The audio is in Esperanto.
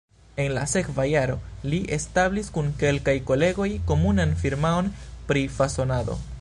En la sekva jaro li establis kun kelkaj kolegoj komunan firmaon pri fasonado.